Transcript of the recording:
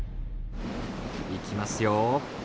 いきますよ。